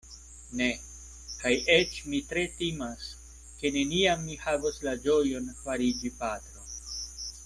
Ne; kaj eĉ mi tre timas, ke neniam mi havos la ĝojon fariĝi patro.